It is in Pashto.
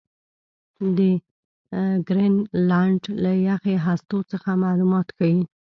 د ګرینلنډ له یخي هستو څخه معلومات ښيي.